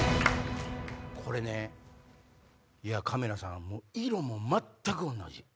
これねカメラさん色も全く同じ。